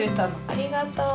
ありがとう。